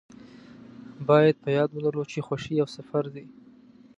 باید په یاد ولرو چې خوښي یو سفر دی.